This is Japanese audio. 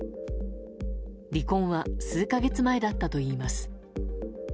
離婚は数か月前だったといいます。